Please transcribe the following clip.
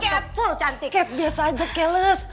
cat cat biasa aja keles